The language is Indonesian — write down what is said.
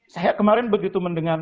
saya kemarin begitu mendengar